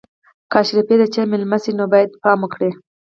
که اشرافي د چا مېلمه شي نو باید پام وکړي.